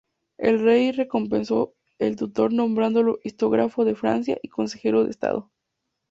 El rey recompensó al tutor nombrándolo historiógrafo de Francia y consejero de Estado.